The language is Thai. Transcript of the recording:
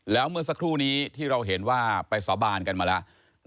แล้วเมื่อสักครู่นี้ที่เราเห็นว่าไปสาบานกันมาแล้ว